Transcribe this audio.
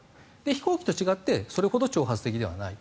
飛行機と違ってそれほど挑発的ではない。